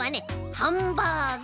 ハンバーグ！